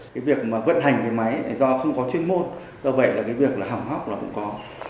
cái việc mà vận hành cái máy do không có chuyên môn do vậy là cái việc là hỏng hóc là cũng có